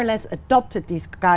rất tốt cho khu vực